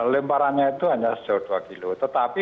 lemparannya itu hanya sejauh dua kilo tetapi